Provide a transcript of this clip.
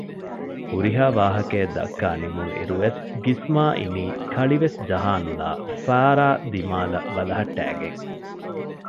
ހުރިހާ ވާހަކައެއް ދައްކާ ނިމުނު އިރުވެސް ގިސްމާ އިނީ ކަޅިވެސް ޖަހާ ނުލާ ފާރާ ދިމާލަށް ބަލަހައްޓައިގެން